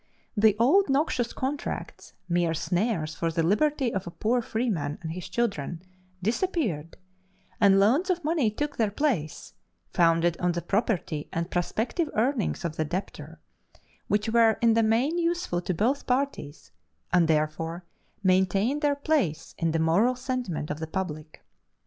The old noxious contracts, mere snares for the liberty of a poor freeman and his children, disappeared, and loans of money took their place, founded on the property and prospective earnings of the debtor, which were in the main useful to both parties, and therefore maintained their place in the moral sentiment of the public.